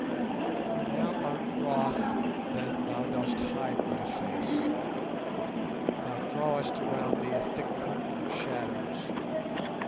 When Thou art wroth then Thou dost hide Thy face; Thou drawest around Thee a thick curtain of shadows.